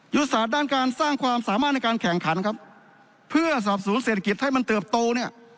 ศาสตร์ด้านการสร้างความสามารถในการแข่งขันครับเพื่อสอบสวนเศรษฐกิจให้มันเติบโตเนี่ย